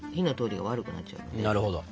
なるほど。